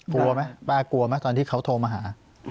กลัวไหมป้ากลัวไหมตอนที่เขาโทรมาหา